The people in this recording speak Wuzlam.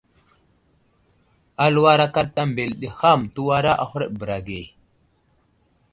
Aluwar akaɗta mbele ɗi ham təwara a huraɗ bəra ge.